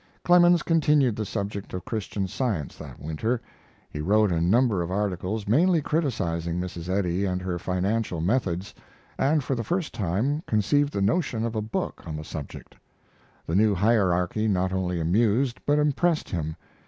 Clemens continued the subject of Christian Science that winter. He wrote a number of articles, mainly criticizing Mrs. Eddy and her financial methods, and for the first time conceived the notion of a book on the subject. The new hierarchy not only amused but impressed him.